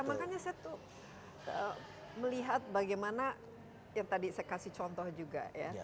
makanya saya tuh melihat bagaimana yang tadi saya kasih contoh juga ya